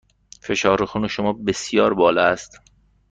فشار خون شما بسیار بالا است.